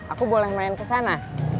aku boleh main kesana